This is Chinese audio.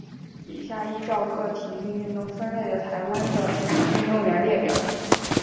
以下依照各体育运动分类的台湾的运动员列表。